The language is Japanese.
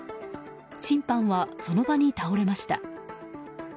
審判はその場に倒れました。